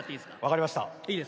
分かりました。